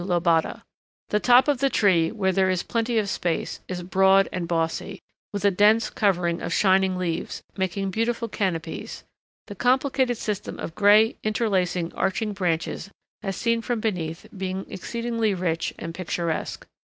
lobata_). The top of the tree where there is plenty of space is broad and bossy, with a dense covering of shining leaves, making delightful canopies, the complicated system of gray, interlacing, arching branches as seen from beneath being exceedingly rich and picturesque.